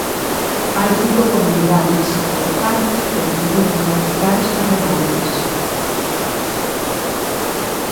Hai cinco comunidades, polo tanto, que decidiron non aplicar estas reválidas.